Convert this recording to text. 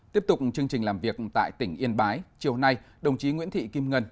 tiếp tục chương trình làm việc tại tỉnh yên bái chiều nay đồng chí nguyễn thị kim ngân